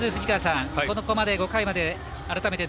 ここまで、５回まで、改めて